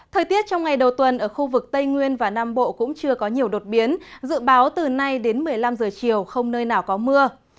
thời tiết trong ngày đầu tuần ở khu vực tây nguyên và nam bộ cũng chưa có nhiều đột biến dự báo từ nay đến một mươi năm giờ chiều không nơi nào có mưa